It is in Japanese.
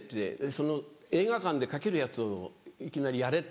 その映画館でかけるやつをいきなりやれって。